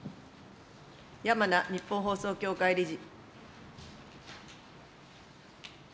山名日本放送協会理事。